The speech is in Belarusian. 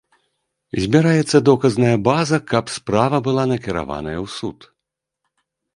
Збіраецца доказная база, каб справа была накіраваная ў суд.